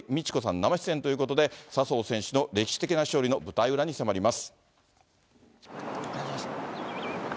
生出演ということで、笹生選手の歴史的な勝利の舞台裏に迫ります。